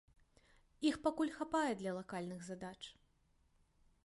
Іх пакуль хапае для лакальных задач.